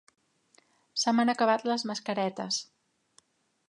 Se m'han acabat les mascaretes.